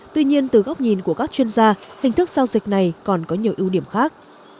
tuy nhiên từ góc nhìn của các chuyên gia hình thức giao dịch này còn có nhiều ưu điểm khác